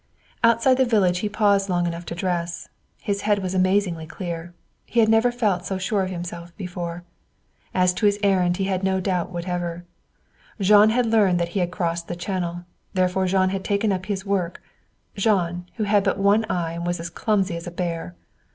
Outside the village he paused long enough to dress. His head was amazingly clear. He had never felt so sure of himself before. As to his errand he had no doubt whatever. Jean had learned that he had crossed the channel. Therefore Jean had taken up his work Jean, who had but one eye and was as clumsy as a bear.